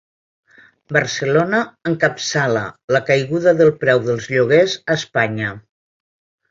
Barcelona encapçala la caiguda del preu dels lloguers a Espanya